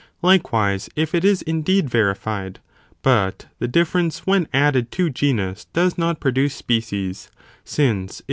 Likewise, if it is indeed verified, but (the difference) when added to genus does not produce species, since it.